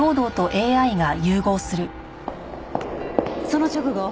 その直後